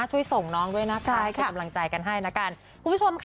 ช่วยส่งน้องด้วยนะครับจะกำลังใจกันให้นะครับคุณผู้ชม